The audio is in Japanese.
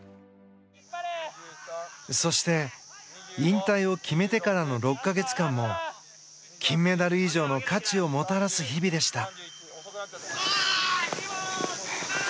そして引退を決めてからの６か月間も金メダル以上の価値をもたらす日々でした。